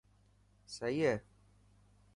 سهي هي،